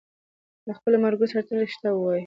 له خپلو ملګرو سره تل رښتیا ووایئ.